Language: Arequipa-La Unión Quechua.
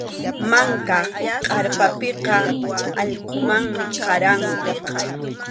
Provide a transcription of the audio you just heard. Manka kʼarpapiqa allqumanmi qaranku.